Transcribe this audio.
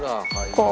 こう？